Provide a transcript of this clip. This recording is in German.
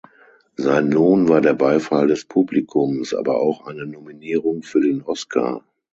Sein Lohn war der Beifall des Publikums, aber auch eine Nominierung für den Oscar.